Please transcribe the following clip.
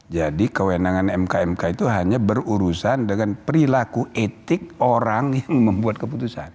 jadi kewenangan mk mk itu hanya berurusan dengan perilaku etik orang yang membuat keputusan